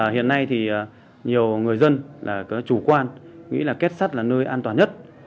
hiện nay thì nhiều người dân là chủ quan nghĩ là kết sắt là nơi an toàn nhất